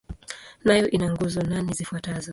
Nayo ina nguzo nane zifuatazo.